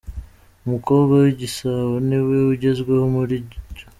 Umukobwa w’igisabo ni we ugezweho muri G.